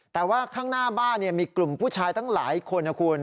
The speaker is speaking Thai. แต่ว่าข้างหน้าบ้านมีกลุ่มผู้ชายตั้งหลายคนนะคุณ